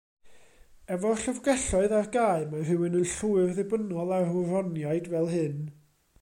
Efo'r llyfrgelloedd ar gau, mae rhywun yn llwyr ddibynnol ar wroniaid fel hyn.